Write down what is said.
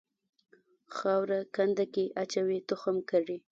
خاوره کنده کې اچوي تخم کري.